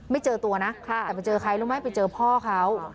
เจอตัวนะแต่ไปเจอใครรู้ไหมไปเจอพ่อเขา